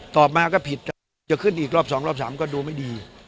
ต่อมาก็ผิดจะขึ้นอีกรอบ๒รอบ๓ก็ดูไม่ดี